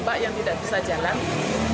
ibu dua anak yang tidak bisa jalan